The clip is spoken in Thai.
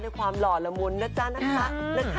ความหล่อละมุนนะจ๊ะนะคะ